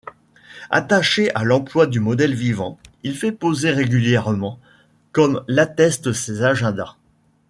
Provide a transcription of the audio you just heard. Attaché à l’emploi du modèle vivant, il fait poser régulièrement, comme l’attestent ses agendas.